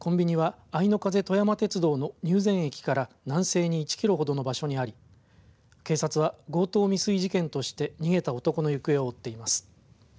コンビニはあいの風とやま鉄道の入善駅から南西に１キロほどの場所にあり警察は強盗未遂事件として逃げた男の行方を追っています。